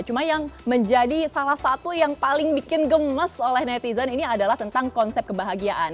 cuma yang menjadi salah satu yang paling bikin gemes oleh netizen ini adalah tentang konsep kebahagiaan